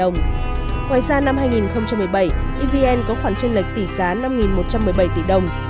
ngoài ra năm hai nghìn một mươi bảy evn có khoản tranh lệch tỷ giá năm một trăm một mươi bảy tỷ đồng